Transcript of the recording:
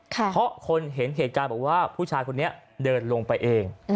เพราะคนเห็นเหตุการณ์บอกว่าผู้ชายคนนี้เดินลงไปเอง